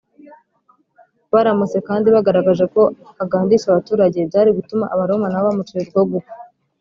baramutse kandi bagaragaje ko agandisha abaturage, byari gutuma abaroma na bo bamucira urwo gupfa